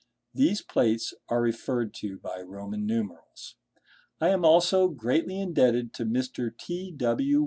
These plates are referred to by Roman numerals. I am also greatly indebted to Mr. T. W.